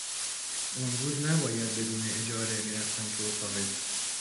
اون روز نباید بدون اجاره می رفتم تو اتاقت